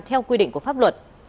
theo quy định của pháp luật